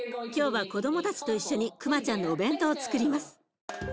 今日は子どもたちと一緒にくまちゃんのお弁当をつくります。